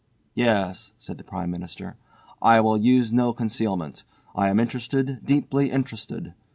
"Yes," said the Prime Minister. "I will use no concealment. I am interested, deeply interested.